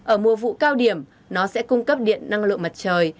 ở mùa vụ cao điểm nó sẽ cung cấp điện năng lượng mặt trời